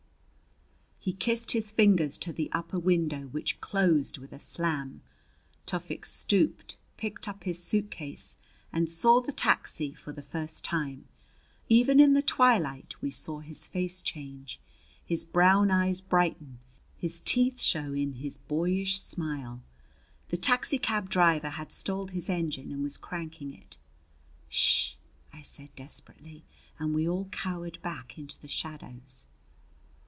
He kissed his fingers to the upper window which closed with a slam. Tufik stooped, picked up his suitcase, and saw the taxi for the first time. Even in the twilight we saw his face change, his brown eyes brighten, his teeth show in his boyish smile. The taxicab driver had stalled his engine and was cranking it. "Sh!" I said desperately, and we all cowered back into the shadows.